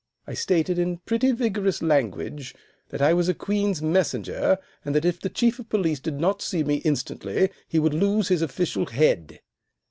I stated in pretty vigorous language that I was a Queen's Messenger, and that if the Chief of Police did not see me instantly he would lose his official head.